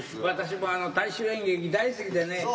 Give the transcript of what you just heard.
私も大衆演劇大好きでね。